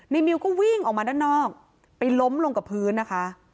มิวก็วิ่งออกมาด้านนอกไปล้มลงกับพื้นนะคะ